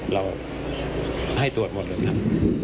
เราให้ตรวจหมดเลยครับ